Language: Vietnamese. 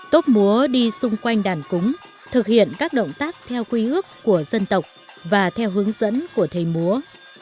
tốt múa đi xung quanh đàn cúng thực hiện các động tác theo quy ước của dân tộc và theo hướng dẫn của thầy múa